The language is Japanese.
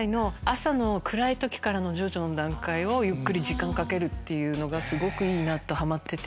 朝の暗い時からの徐々の段階をゆっくり時間かけるのがすごくいいなぁとハマってて。